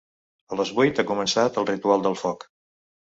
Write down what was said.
A les vuit ha començat el ritual del foc.